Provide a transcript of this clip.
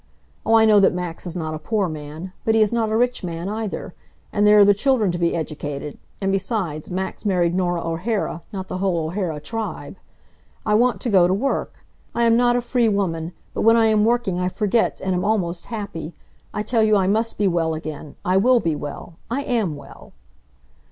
Oh, I know that Max is not a poor man. But he is not a rich man, either. And there are the children to be educated, and besides, Max married Norah O'Hara, not the whole O'Hara tribe. I want to go to work. I am not a free woman, but when I am working, I forget, and am almost happy. I tell you I must be well again! I will be well! I am well!"